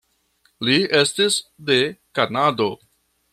Li estis de Kanado.